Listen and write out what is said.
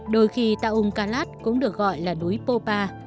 đôi khi taung kalat cũng được gọi là núi popa